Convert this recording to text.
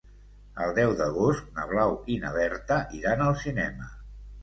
El deu d'agost na Blau i na Berta iran al cinema.